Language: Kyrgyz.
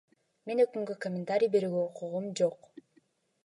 Мен өкүмгө комментарий берүүгө укугум жок.